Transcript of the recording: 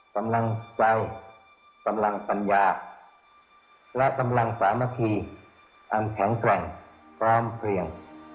กำลังใจกำลังปัญญาและกำลังสามัคคีอันแข็งแกร่งพร้อมเพลียง